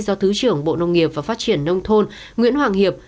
do thứ trưởng bộ nông nghiệp và phát triển nông thôn nguyễn hoàng hiệp